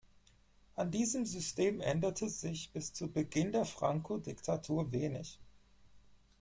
An diesem System änderte sich bis zum Beginn der Franco-Diktatur wenig.